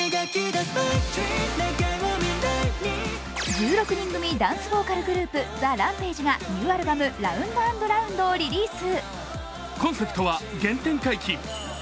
１６人組ダンスボーカルグループＴＨＥＲＡＭＰＡＧＥがニューアルバム「ＲＯＵＮＤ＆ＲＯＵＮＤ」をリリース。